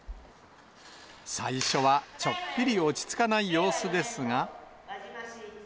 最初はちょっぴり落ち着かない様子ですが。